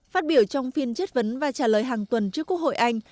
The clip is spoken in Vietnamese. phát biểu trong phiên chất vấn và trả lời hàng tuần trước quốc hội anh